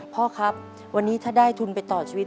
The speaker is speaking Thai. พ่อครับวันนี้ถ้าได้ทุนไปต่อชีวิต